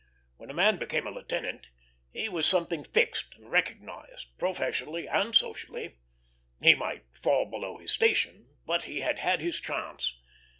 When a man became a lieutenant, he was something fixed and recognized, professionally and socially. He might fall below his station, but he had had his chance.